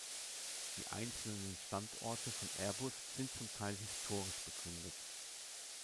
Die einzelnen Standorte von Airbus sind zum Teil historisch begründet.